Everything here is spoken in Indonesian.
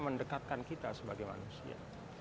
mendekatkan kita sebagai manusia